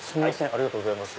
ありがとうございます。